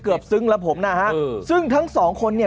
ซึ้งแล้วผมนะฮะซึ่งทั้งสองคนเนี่ย